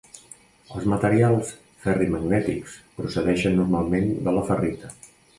Els materials ferrimagnètics procedeixen normalment de la ferrita.